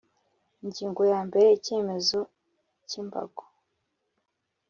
Ingingo ya mbere Icyemezo cy imbago